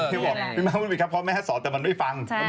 คือบอกพี่ม้ามันมีครับพ่อแม่สอนแต่มันไม่ฟัง